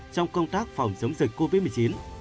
trong công tác phòng chống dịch covid một mươi chín